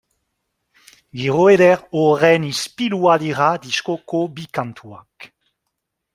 Giro eder horren ispilua dira diskoko bi kantuak.